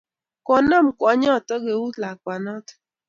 Konam kwanyotok keut lakwanatak.